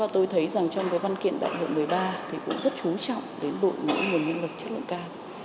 tôi thấy trong văn kiện đại học một mươi ba cũng rất chú trọng đến đội ngũ nguồn nhân lực chất lượng cao